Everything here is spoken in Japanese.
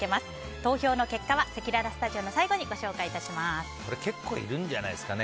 投票の結果はせきららスタジオの結構いるんじゃないですかね。